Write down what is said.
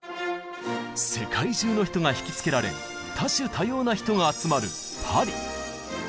世界中の人がひきつけられ多種多様な人が集まるパリ。